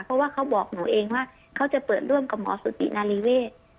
เพราะว่าเขาบอกหนูเองว่าเขาจะเปิดร่วมกับหมอสุตินารีเวศ